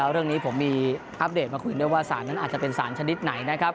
เรื่องนี้ผมมีอัปเดตมาคุยด้วยว่าสารนั้นอาจจะเป็นสารชนิดไหนนะครับ